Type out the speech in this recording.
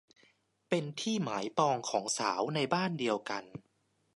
เป็นที่หมายปองของสาวในบ้านเดียวกัน